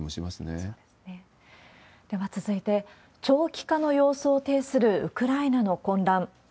では続いて、長期化の様相を呈するウクライナの混乱。